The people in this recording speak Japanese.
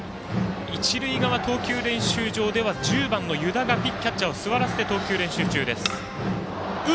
一塁側、投球練習場では１０番の湯田がキャッチャーを座らせて投球練習中です。